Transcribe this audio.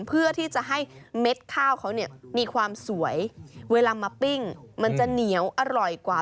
เพื่อที่จะให้เม็ดข้าวเขาเนี่ยมีความสวยเวลามาปิ้งมันจะเหนียวอร่อยกว่า